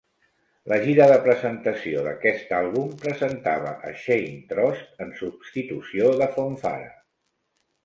La gira de presentació d'aquest àlbum presentava a Shane Trost en substitució de Fonfara.